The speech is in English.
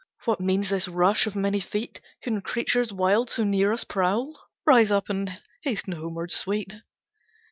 What means this rush of many feet? Can creatures wild so near us prowl? Rise up, and hasten homewards, sweet!"